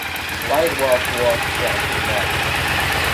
White washed walls drive me mad.